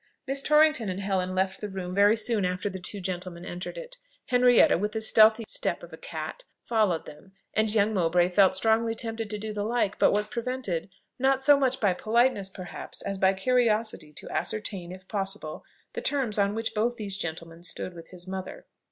Miss Torrington and Helen left the room very soon after the two gentlemen entered it. Henrietta, with the stealthy step of a cat, followed them, and young Mowbray felt strongly tempted to do the like; but was prevented, not so much by politeness perhaps, as by curiosity to ascertain, if possible, the terms on which both these gentlemen stood with his mother.